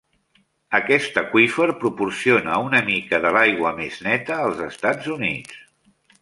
Aquest aqüífer proporciona una mica de l'aigua més neta als Estats Units.